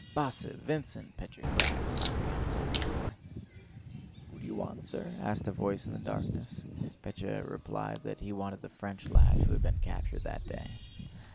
"Bosse! Vincent!" Pétya cried, stopping outside the door. "Who do you want, sir?" asked a voice in the darkness. Pétya replied that he wanted the French lad who had been captured that day.